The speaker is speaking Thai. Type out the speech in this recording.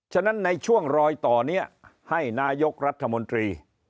ฉะนั้นในช่วงรอยต่อนี้ให้นายกรัฐมนตรี